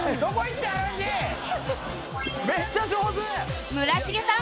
めっちゃ上手！